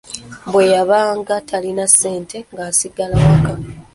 Bwe yabanga talina ssente ng'asigala waka.